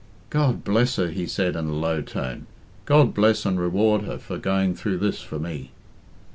"God bless her!" he said in a low tone. "God bless and reward her for going through this for me!"